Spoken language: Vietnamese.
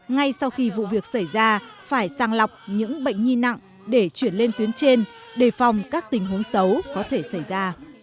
ngay sau khi vụ việc xảy ra phải sang lọc những bệnh nhi nặng để chuyển lên tuyến trên đề phòng các tình huống xấu có thể xảy ra